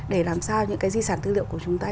để làm sao những cái di sản tư liệu của chúng ta